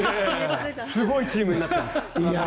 すごいチームになっています。